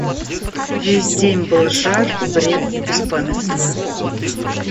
Весь день был жар, бред и беспамятство.